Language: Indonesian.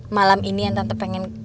malam ini yang tentu pengen